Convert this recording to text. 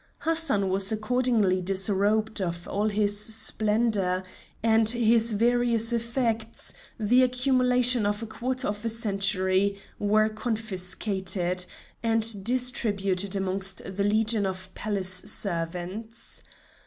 Hassan was accordingly disrobed of all his splendor, and his various effects, the accumulation of a quarter of a century, were confiscated, and distributed amongst the legion of Palace servants.